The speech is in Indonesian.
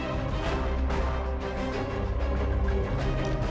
assalamualaikum warahmatullahi wabarakatuh